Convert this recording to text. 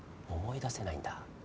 思い出せないんだ。